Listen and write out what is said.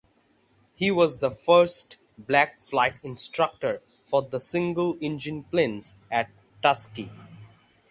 He was the first black flight instructor for the single engine planes at Tuskegee.